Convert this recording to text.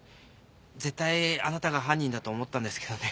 絶対あなたが犯人だと思ったんですけどね。